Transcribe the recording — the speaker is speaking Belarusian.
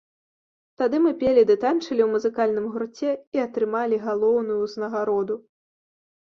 Тады мы пелі ды танчылі ў музыкальным гурце і атрымалі галоўную ўзнагароду.